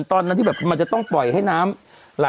กรมป้องกันแล้วก็บรรเทาสาธารณภัยนะคะ